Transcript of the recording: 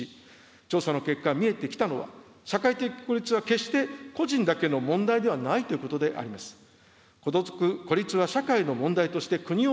調査の結果見えてきたのは、社会的孤立は決して個人だけの問題ではないということであります。